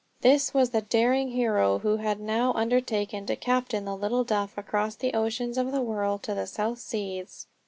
This was the daring hero who had now undertaken to captain the little Duff across the oceans of the world to the South Seas.